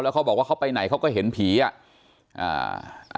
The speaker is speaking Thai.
เขาบอกว่าเขาไปไหนเขาก็เห็นผีอ่ะอ่า